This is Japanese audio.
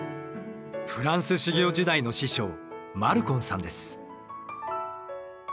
フランス修行時代の師匠マルコンさんです。